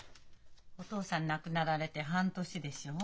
お父さん亡くなられて半年でしょう。